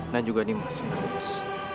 dan juga nimas yang nangis